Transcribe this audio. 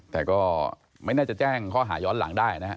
แต่ก็ไม่น่าจะแจ้งข้อหาย้อนหลังได้นะฮะ